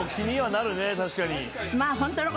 確かに。